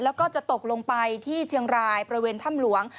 แล้วก็จะตกลงไปที่เชียงรายบริเวณถ้ำหลวง